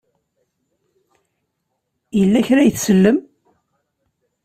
Yella kra ay tsellem?